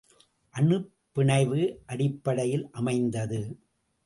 அணுப் பிணைவு அடிப்படையில் அமைந்தது.